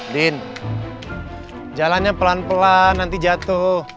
bin jalannya pelan pelan nanti jatuh